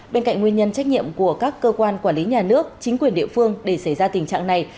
bên cạnh nguyên nhân trách nhiệm của các cơ quan quản lý nhà nước chính quyền địa phương để xảy ra tình trạng này